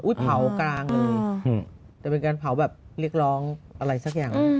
เผากลางเลยแต่เป็นการเผาแบบเรียกร้องอะไรสักอย่าง